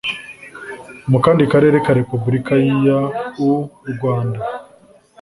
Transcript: mu kandi karere ka repubulika y u rwanda